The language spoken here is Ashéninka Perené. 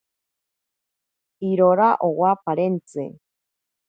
Irora owa parentzi.